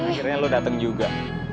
akhirnya lo dateng juga